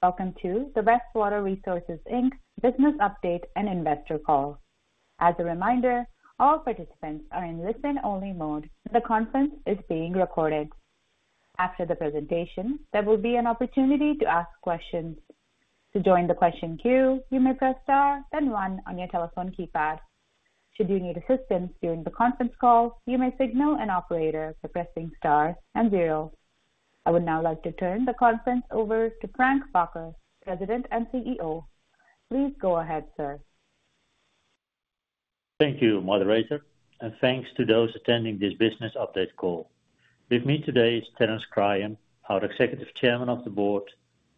Welcome to the Westwater Resources Inc Business Update and Investor Call. As a reminder, all participants are in listen-only mode, and the conference is being recorded. After the presentation, there will be an opportunity to ask questions. To join the question queue, you may press star, then one on your telephone keypad. Should you need assistance during the conference call, you may signal an operator by pressing star and zero. I would now like to turn the conference over to Frank Bakker, President and CEO. Please go ahead, sir. Thank you, moderator, and thanks to those attending this business update call. With me today is Terence Cryan, our Executive Chairman of the Board,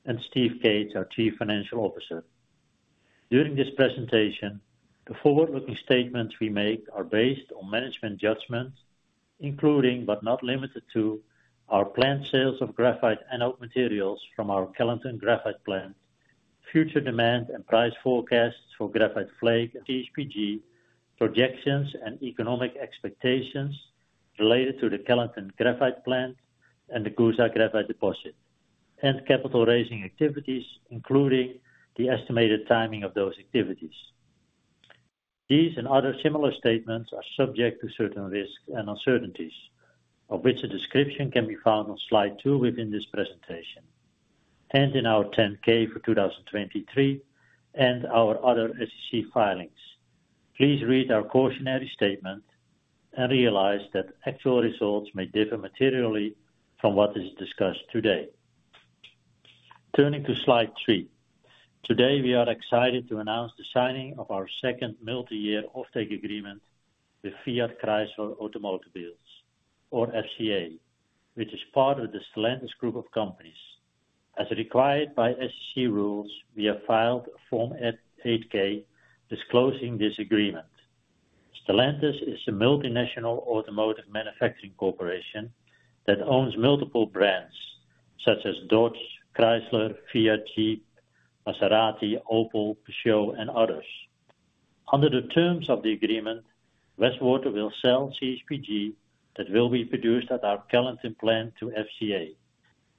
and Steve Cates, our Chief Financial Officer. During this presentation, the forward-looking statements we make are based on management judgments, including, but not limited to, our planned sales of graphite and anode materials from our Kellyton Graphite Plant, future demand and price forecasts for graphite flake, CSPG, projections and economic expectations related to the Kellyton Graphite Plant and the Coosa Graphite Deposit, and capital raising activities, including the estimated timing of those activities. These and other similar statements are subject to certain risks and uncertainties, of which a description can be found on slide 2 within this presentation, and in our 10-K for 2023, and our other SEC filings. Please read our cautionary statement and realize that actual results may differ materially from what is discussed today. Turning to slide three. Today, we are excited to announce the signing of our second multi-year offtake agreement with Fiat Chrysler Automobiles, or FCA, which is part of the Stellantis group of companies. As required by SEC rules, we have filed a Form 8-K disclosing this agreement. Stellantis is a multinational automotive manufacturing corporation that owns multiple brands such as Dodge, Chrysler, Fiat, Jeep, Maserati, Opel, Peugeot, and others. Under the terms of the agreement, Westwater will sell CSPG that will be produced at our Kellyton plant to FCA.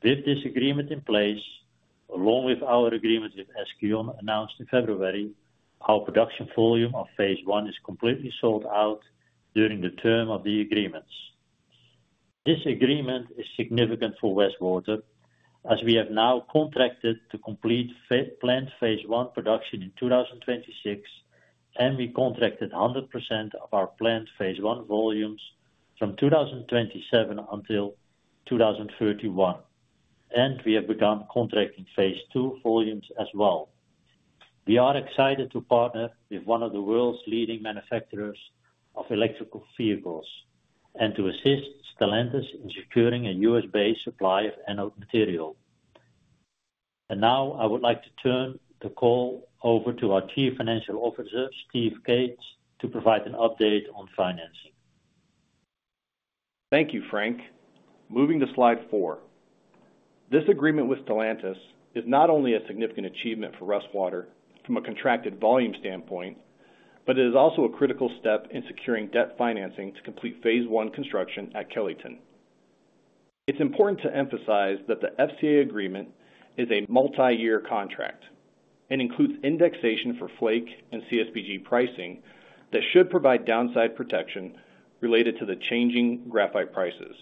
With this agreement in place, along with our agreement with SK On, announced in February, our production volume of phase one is completely sold out during the term of the agreements. This agreement is significant for Westwater, as we have now contracted to complete planned phase one production in 2026, and we contracted 100% of our planned phase one volumes from 2027 until 2031, and we have begun contracting phase two volumes as well. We are excited to partner with one of the world's leading manufacturers of electric vehicles and to assist Stellantis in securing a U.S.-based supply of anode material. Now I would like to turn the call over to our Chief Financial Officer, Steve Cates, to provide an update on financing. Thank you, Frank. Moving to slide four. This agreement with Stellantis is not only a significant achievement for Westwater from a contracted volume standpoint, but it is also a critical step in securing debt financing to complete phase one construction at Kellyton. It's important to emphasize that the FCA agreement is a multi-year contract and includes indexation for flake and CSPG pricing that should provide downside protection related to the changing graphite prices.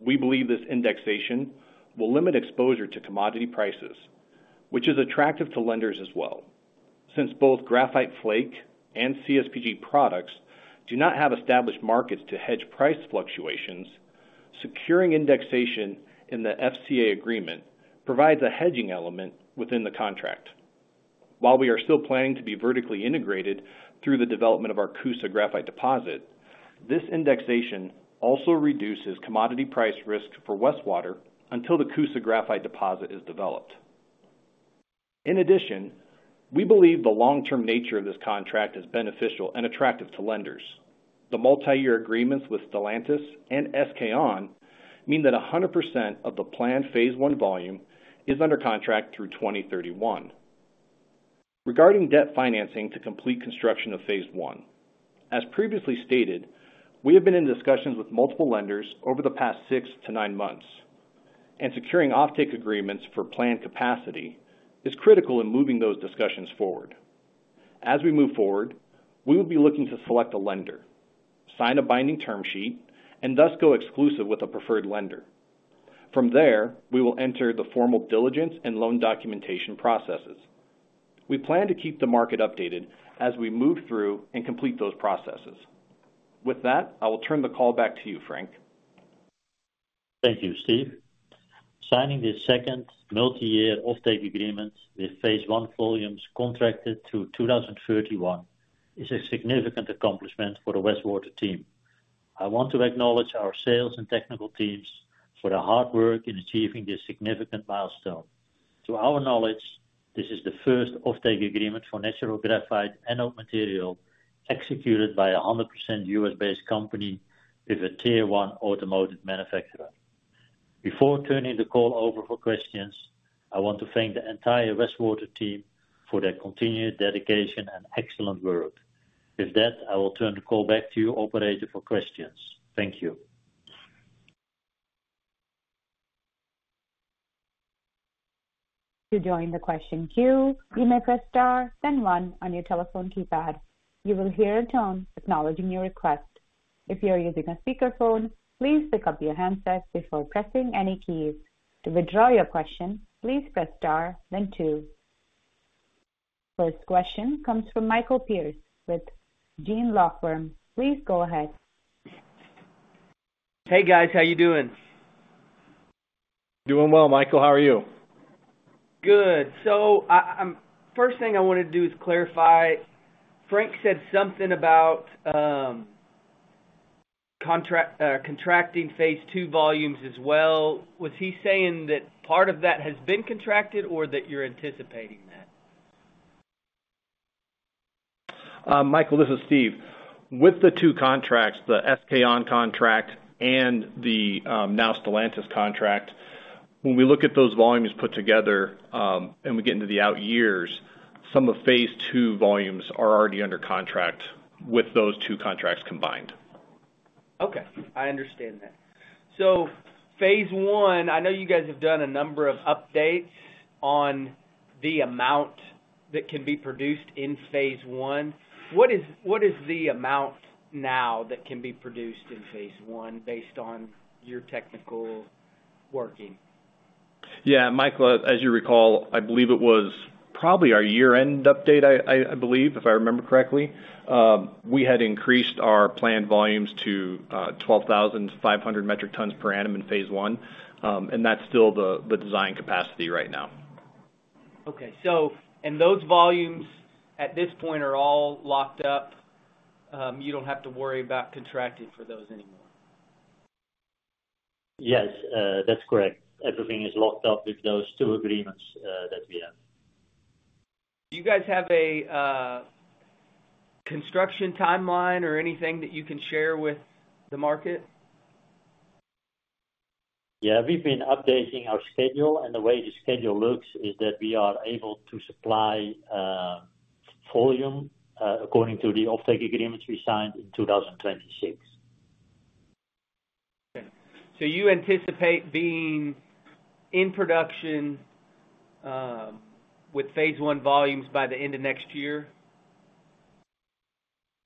We believe this indexation will limit exposure to commodity prices, which is attractive to lenders as well. Since both graphite flake and CSPG products do not have established markets to hedge price fluctuations, securing indexation in the FCA agreement provides a hedging element within the contract. While we are still planning to be vertically integrated through the development of our Coosa Graphite Deposit, this indexation also reduces commodity price risk for Westwater until the Coosa Graphite Deposit is developed. In addition, we believe the long-term nature of this contract is beneficial and attractive to lenders. The multi-year agreements with Stellantis and SK On mean that 100% of the planned phase one volume is under contract through 2031. Regarding debt financing to complete construction of phase one, as previously stated, we have been in discussions with multiple lenders over the past six to nine months, and securing offtake agreements for planned capacity is critical in moving those discussions forward. As we move forward, we will be looking to select a lender, sign a binding term sheet, and thus go exclusive with a preferred lender. From there, we will enter the formal diligence and loan documentation processes. We plan to keep the market updated as we move through and complete those processes. With that, I will turn the call back to you, Frank. Thank you, Steve. Signing this second multi-year offtake agreement with phase one volumes contracted to 2031 is a significant accomplishment for the Westwater team. I want to acknowledge our sales and technical teams for their hard work in achieving this significant milestone. To our knowledge, this is the first offtake agreement for natural graphite anode material executed by a 100% U.S.-based company with a tier one automotive manufacturer. Before turning the call over for questions, I want to thank the entire Westwater team for their continued dedication and excellent work. With that, I will turn the call back to you, operator, for questions. Thank you. To join the question queue, you may press Star, then one on your telephone keypad. You will hear a tone acknowledging your request. If you are using a speakerphone, please pick up your handset before pressing any keys. To withdraw your question, please press Star, then two. First question comes from Michael Pierce with Gean Law Firm. Please go ahead. Hey, guys. How are you doing? Doing well, Michael. How are you? Good. So, first thing I wanted to do is clarify. Frank said something about contracting phase two volumes as well. Was he saying that part of that has been contracted or that you're anticipating that? Michael, this is Steve. With the two contracts, the SK On contract and the, now Stellantis contract, when we look at those volumes put together, and we get into the out years, some of phase two volumes are already under contract with those two contracts combined. Okay, I understand that. So phase one, I know you guys have done a number of updates on the amount that can be produced in phase one. What is, what is the amount now that can be produced in phase one, based on your technical working? Yeah, Michael, as you recall, I believe it was probably our year-end update, I believe, if I remember correctly. We had increased our planned volumes to 12,500 metric tons per annum in phase one. And that's still the design capacity right now. Okay. Those volumes, at this point, are all locked up? You don't have to worry about contracting for those anymore? Yes, that's correct. Everything is locked up with those two agreements, that we have. Do you guys have a construction timeline or anything that you can share with the market? Yeah, we've been updating our schedule, and the way the schedule looks is that we are able to supply volume according to the offtake agreements we signed in 2026. Okay. So you anticipate being in production, with phase one volumes by the end of next year?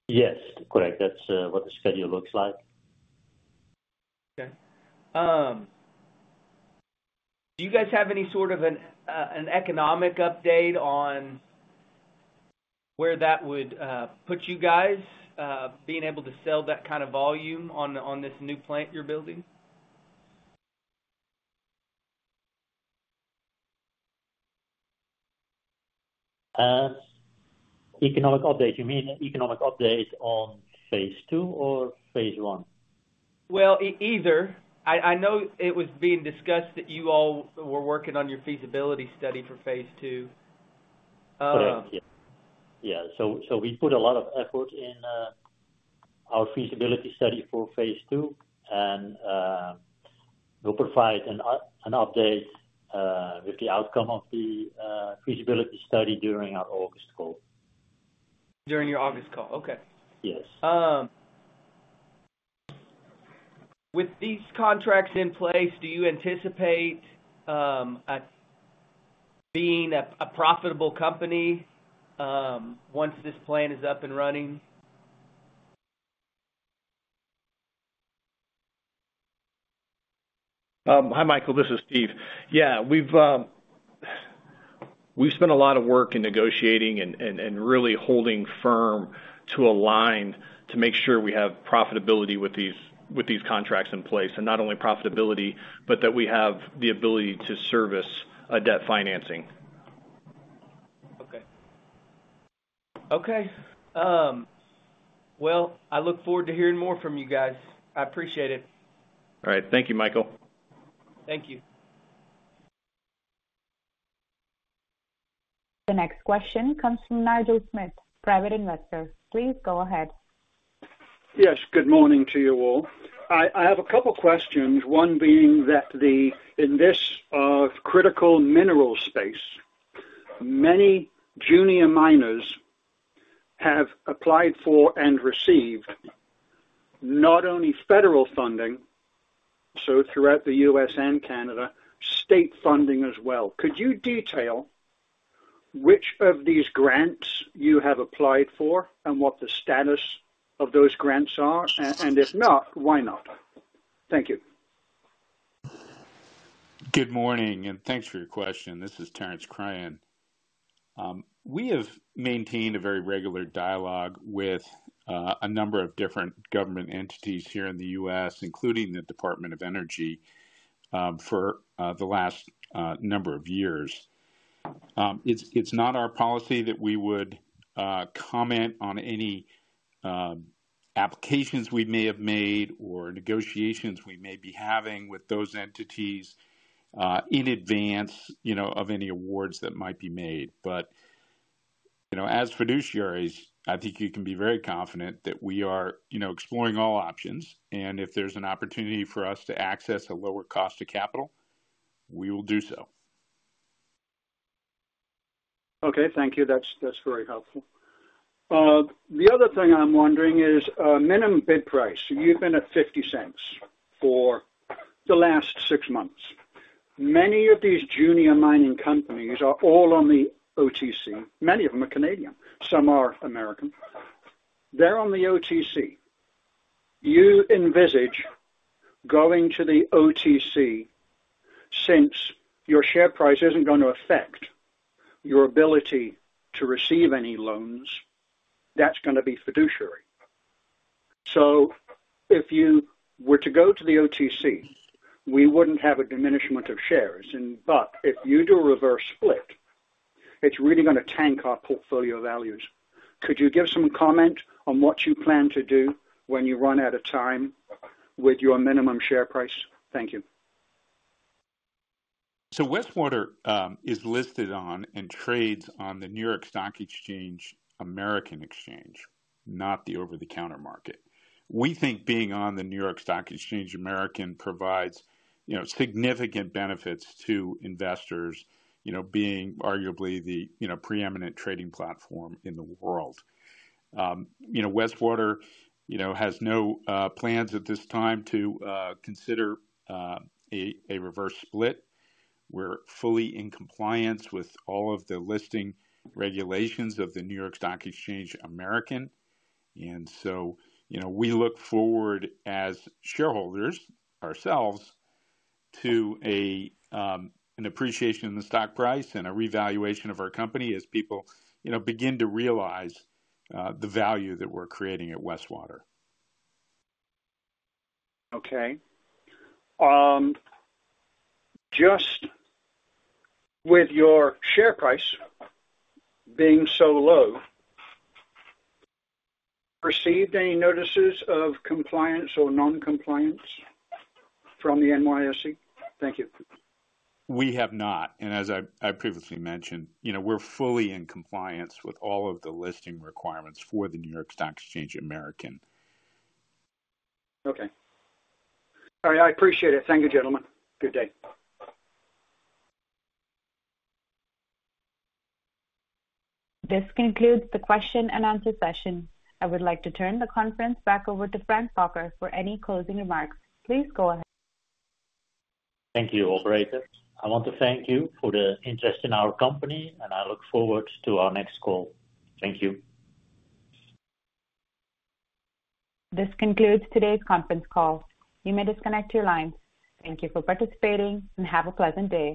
Yes, correct. That's what the schedule looks like. Okay. Do you guys have any sort of an economic update on where that would put you guys being able to sell that kind of volume on, on this new plant you're building? Economic update. You mean economic update on phase two or phase one? Well, either. I know it was being discussed that you all were working on your feasibility study for phase two. Correct. Yeah. Yeah. So we put a lot of effort in our feasibility study for phase two, and we'll provide an update with the outcome of the feasibility study during our August call. During your August call. Okay. Yes. With these contracts in place, do you anticipate being a profitable company once this plan is up and running? Hi, Michael. This is Steve. Yeah, we've spent a lot of work in negotiating and really holding firm to align, to make sure we have profitability with these contracts in place, and not only profitability, but that we have the ability to service a debt financing. Okay. Okay, well, I look forward to hearing more from you guys. I appreciate it. All right. Thank you, Michael. Thank you. The next question comes from Nigel Smith, private investor. Please go ahead. Yes, good morning to you all. I have a couple questions, one being that in this critical mineral space, many junior miners have applied for and received not only federal funding, so throughout the U.S. and Canada, state funding as well. Could you detail which of these grants you have applied for and what the status of those grants are? And if not, why not? Thank you. Good morning, and thanks for your question. This is Terence Cryan. We have maintained a very regular dialogue with a number of different government entities here in the U.S., including the Department of Energy, for the last number of years. It's not our policy that we would comment on any applications we may have made or negotiations we may be having with those entities in advance, you know, of any awards that might be made. But, you know, as fiduciaries, I think you can be very confident that we are, you know, exploring all options, and if there's an opportunity for us to access a lower cost of capital, we will do so. Okay, thank you. That's, that's very helpful. The other thing I'm wondering is, minimum bid price. You've been at $0.50 for the last six months. Many of these junior mining companies are all on the OTC. Many of them are Canadian, some are American. They're on the OTC. You envisage going to the OTC, since your share price isn't going to affect your ability to receive any loans, that's gonna be fiduciary. So if you were to go to the OTC, we wouldn't have a diminishment of shares, but if you do a reverse split, it's really gonna tank our portfolio values. Could you give some comment on what you plan to do when you run out of time with your minimum share price? Thank you. So Westwater is listed on and trades on the New York Stock Exchange, American Exchange, not the over-the-counter market. We think being on the New York Stock Exchange American provides, you know, significant benefits to investors, you know, being arguably the, you know, preeminent trading platform in the world. Westwater, you know, has no plans at this time to consider a reverse split. We're fully in compliance with all of the listing regulations of the New York Stock Exchange American. And so, you know, we look forward as shareholders ourselves to an appreciation in the stock price and a revaluation of our company as people, you know, begin to realize the value that we're creating at Westwater. Okay. Just with your share price being so low, received any notices of compliance or non-compliance from the NYSE? Thank you. We have not, and as I previously mentioned, you know, we're fully in compliance with all of the listing requirements for the New York Stock Exchange American. Okay. All right, I appreciate it. Thank you, gentlemen. Good day. This concludes the question and answer session. I would like to turn the conference back over to Frank Bakker for any closing remarks. Please go ahead. Thank you, operator. I want to thank you for the interest in our company, and I look forward to our next call. Thank you. This concludes today's conference call. You may disconnect your lines. Thank you for participating, and have a pleasant day.